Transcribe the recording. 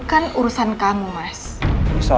bagaimana kamu akan menjawab itu